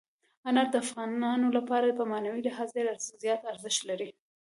انار د افغانانو لپاره په معنوي لحاظ ډېر زیات ارزښت لري.